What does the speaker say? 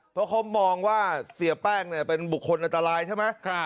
เพราะเขามองว่าเสียแป้งเป็นบุคคลอันตรายใช่ไหม